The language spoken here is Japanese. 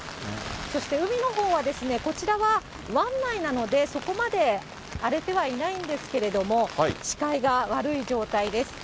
そして海のほうは、こちらは湾内なので、そこまで荒れてはいないんですけれども、視界が悪い状態です。